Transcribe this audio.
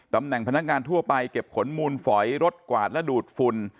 พนักงานทั่วไปเก็บขนมูลฝอยรถกวาดและดูดฝุ่น